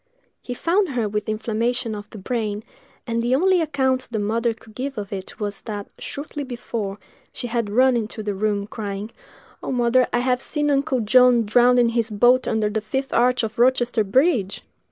He found her with inflammation of the brain, and the only account the mother could give of it was, that shortly before, she had run into the room, crying, "Oh, mother, I have seen Uncle John drowned in his boat under the fifth arch of Rochester bridge!"